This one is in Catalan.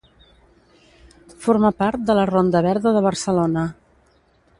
Forma part de la Ronda verda de Barcelona.